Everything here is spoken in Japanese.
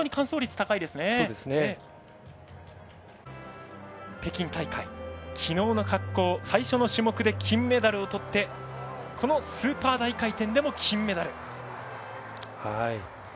村岡桃佳は北京大会、昨日の滑降最初の種目で金メダルをとってこのスーパー大回転でも金メダル。